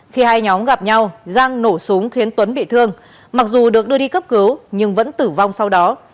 khi hai nhóm gặp nhau giang nổ súng khiến tuấn bị thương mặc dù được đưa đi cấp cứu nhưng vẫn tử vong sau đó